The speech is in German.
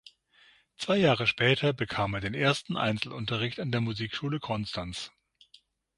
Zwei Jahre später bekam er den ersten Einzelunterricht an der Musikschule Konstanz.